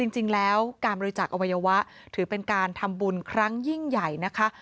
จริงแล้วการบริจาคอวัยวะถือเป็นการทำบุญครั้งยิ่งใหญ่นะคะ